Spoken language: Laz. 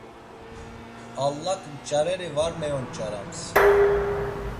Allak nç̌areri var meyonç̌arams.